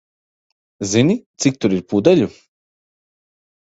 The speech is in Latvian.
Zini, cik tur ir pudeļu?